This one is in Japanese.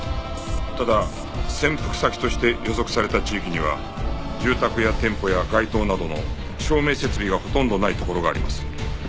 ただ潜伏先として予測された地域には住宅や店舗や街灯などの照明設備がほとんどないところがあります。